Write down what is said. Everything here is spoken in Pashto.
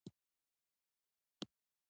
د روټین معایناتو لپاره کارول کیږي.